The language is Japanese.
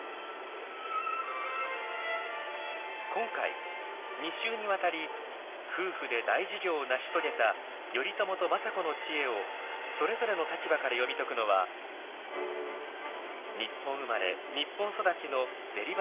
今回２週にわたり夫婦で大事業を成し遂げた頼朝と政子の知恵をそれぞれの立場から読み解くのは日本生まれ日本育ちのデリバリー・ピザチェーンの創業者